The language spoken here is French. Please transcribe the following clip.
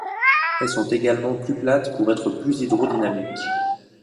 Elles sont également plus plates pour être plus hydrodynamiques.